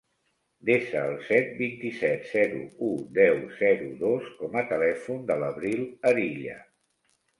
Desa el set, vint-i-set, zero, u, deu, zero, dos com a telèfon de l'Abril Arilla.